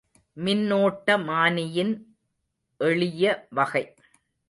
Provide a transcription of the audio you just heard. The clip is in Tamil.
மின்னோட்ட மானியின் எளிய வகை.